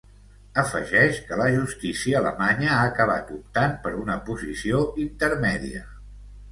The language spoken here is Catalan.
Afegeix que la justícia alemanya ha acabat optant per una posició intermèdia.